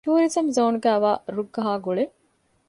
ޓޫރިޒަމް ޒޯނުގައިވާ ރުއްގަހާ ގުޅޭ